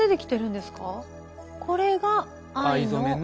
これが藍の。